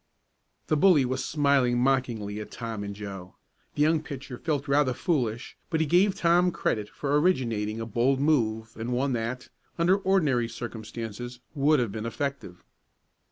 The bully was smiling mockingly at Tom and Joe. The young pitcher felt rather foolish, but he gave Tom credit for originating a bold move and one that, under ordinary circumstances, would have been effective.